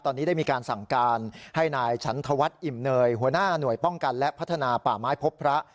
ตอนนี้ได้มีการสั่งการให้นายฉันธวัฒน์อิ่มเนยหัวหน้าหน่วยป้องกันและพัฒนาป่าไม้พบพระ